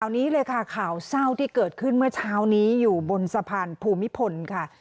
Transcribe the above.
นี้เลยค่ะข่าวเศร้าที่เกิดขึ้นเมื่อเช้านี้อยู่บนสะพานภูมิพลค่ะ